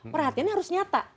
perhatiannya harus nyata